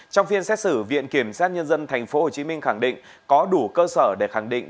trong phiên xét xử viện kiểm sát nhân dân tp hcm khẳng định có đủ cơ sở để khẳng định